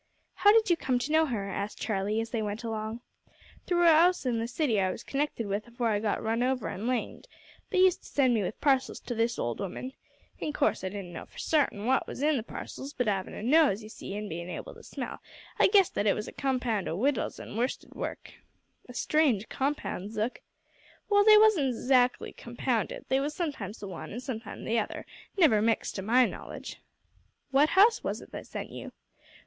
"How did you come to know her?" asked Charlie, as they went along. "Through a 'ouse in the city as I was connected with afore I got run over an' lamed. They used to send me with parcels to this old 'ooman. In course I didn't know for sartin' w'at was in the parcels, but 'avin' a nose, you see, an' bein' able to smell, I guessed that it was a compound o' wittles an' wursted work." "A strange compound, Zook." "Well, they wasn't 'zactly compounded they was sometimes the one an' sometimes the other; never mixed to my knowledge." "What house was it that sent you?"